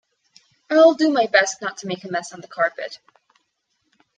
I'll do my best not to make a mess on the carpet.